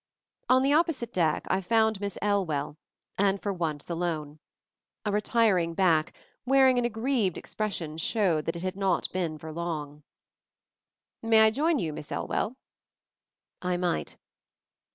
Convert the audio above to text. On the opposite deck, I found Miss Elwell — and for once alone. A retiring back, wear ing an aggrieved expression showed that it had not been for long. MOVING THE MOUNTAIN 37 "May I join you, Miss Elwell?" I might.